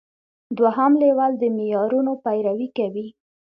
دوهم لیول د معیارونو پیروي کوي.